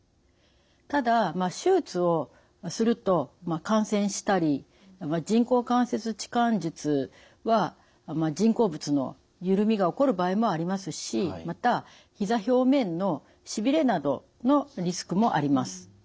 ただ手術をすると感染したり人工関節置換術は人工物の緩みが起こる場合もありますしまたひざ表面のしびれなどのリスクもあります。